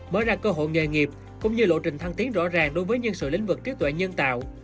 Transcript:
mở ra cơ hội nghề nghiệp cũng như lộ trình thăng tiến rõ ràng đối với nhân sự lĩnh vực trí tuệ nhân tạo